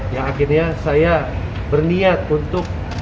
yang akhirnya saya berniat untuk